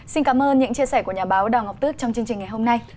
xin cảm ơn những chia sẻ của nhà báo đào ngọc tước trong chương trình ngày hôm nay